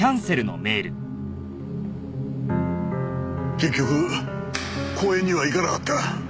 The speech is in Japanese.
結局公園には行かなかった。